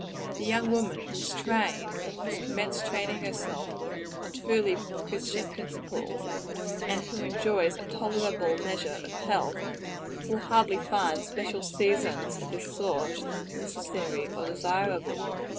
The young woman who is trained, or who has commenced training herself, on truly Christian principles, and who enjoys a tolerable measure of health, will hardly find special seasons of this sort necessary or desirable.